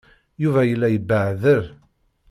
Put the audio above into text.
Yuba yella yebbeɛder.